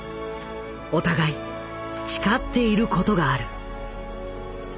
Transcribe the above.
お互い誓っていることがある。